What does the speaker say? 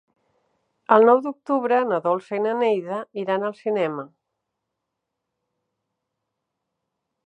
El nou d'octubre na Dolça i na Neida iran al cinema.